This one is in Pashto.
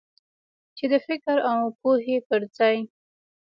چې د فکر او پوهې پر ځای.